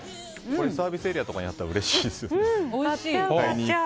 サービスエリアとかにあったらうれしいですよね。